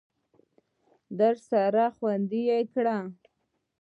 درسره خوندي یې کړه !